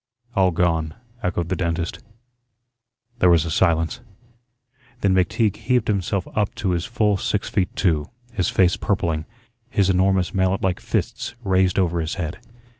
"All gone," echoed the dentist. There was a silence. Then McTeague heaved himself up to his full six feet two, his face purpling, his enormous mallet like fists raised over his head.